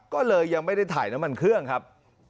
ก็เลยยังไม่ได้ถ่ายน้ำมันเครื่องครับ